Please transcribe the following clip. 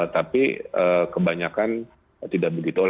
tapi kebanyakan tidak begitu